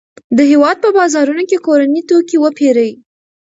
د هېواد په بازارونو کې کورني توکي وپیرئ.